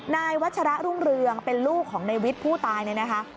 นายวัชระรุ่งเรืองเป็นลูกของในวิทย์ผู้ตายเนี่ยนะคะ